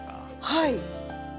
はい。